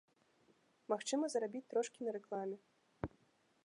Магчыма, зарабіць трошкі на рэкламе.